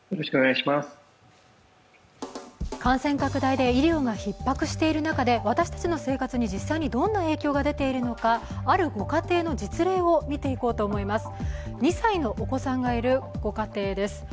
感染拡大で医療がひっ迫している中で私たちの生活に実際にどんな影響が出ているのか、あるご家庭の実例を見ていこうと思います。